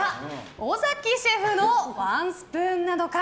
尾崎シェフのワンスプーンなのか。